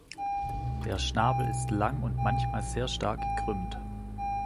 Der Schnabel ist lang und manchmal sehr stark gekrümmt.